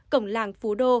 cổng làng phú đô